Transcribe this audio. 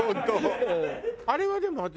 あれはでも私